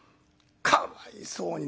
「かわいそうに。